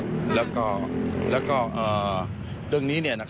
ทีนี้ก็ไม่อยากจะให้ขอมูลอะไรมากนะกลัวจะเป็นการตอกย้ำเสียชื่อเสียงให้กับครอบครัวของผู้เสียหายนะคะ